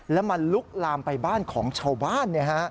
แล้วมันลุกลามไปบ้านของชาวบ้าน